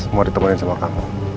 mau ditemuin sama kamu